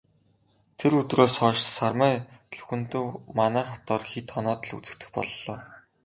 Тэр өдрөөс хойш Сармай Лхүндэв манай хотоор хэд хоноод л үзэгдэх боллоо.